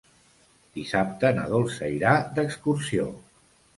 Dissabte na Dolça irà d'excursió.